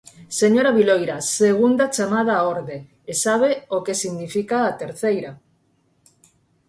Señora Viloira, segunda chamada á orde, e sabe o que significa a terceira.